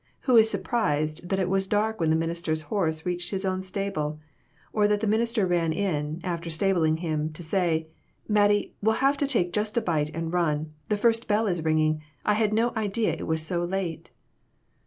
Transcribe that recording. Who is surprised that it was dark when the minister's horse reached his own stable ? Or that the minister ran in, after stabling him, to say, "Mattie, we'll have to take just a bite and run ; the first bell is ringing. I had no idea it was so late